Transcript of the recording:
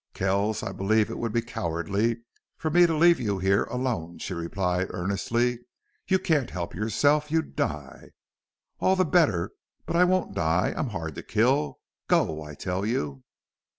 "Kells, I believe it would be cowardly for me to leave you here alone," she replied, earnestly. "You can't help yourself. You'd die." "All the better. But I won't die. I'm hard to kill. Go, I tell you."